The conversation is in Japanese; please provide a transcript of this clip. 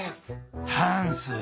・「ハンス。